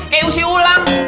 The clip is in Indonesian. kayak usia ulang